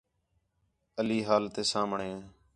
علی ہال تے سامھݨے